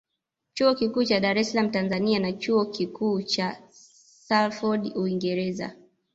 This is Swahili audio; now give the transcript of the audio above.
Chuo Kikuu cha DaresSalaam Tanzania na Chuo Kikuucha Salford uingereza